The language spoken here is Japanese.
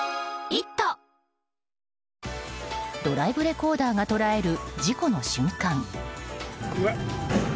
ドライブレコーダーが捉える事故の瞬間。